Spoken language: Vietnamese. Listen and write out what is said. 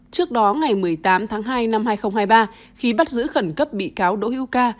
trước đó ngày một mươi tám tháng hai năm hai nghìn hai mươi ba khi bắt giữ khẩn cấp bị cáo đỗ hữu ca